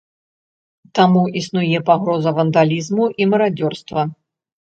Таму існуе пагроза вандалізму і марадзёрства.